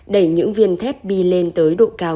đẩy những viên thép bi lên tới độ cao